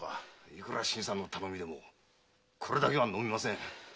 いくら新さんの頼みでもこれだけは飲めません。